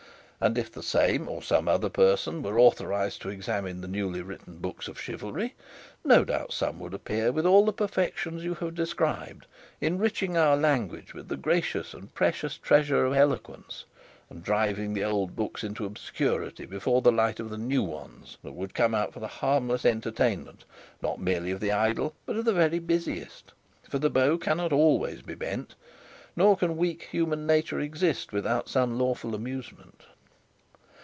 And if the same or some other person were authorised to examine the newly written books of chivalry, no doubt some would appear with all the perfections you have described, enriching our language with the gracious and precious treasure of eloquence, and driving the old books into obscurity before the light of the new ones that would come out for the harmless entertainment, not merely of the idle but of the very busiest; for the bow cannot be always bent, nor can weak human nature exist without some lawful amusement."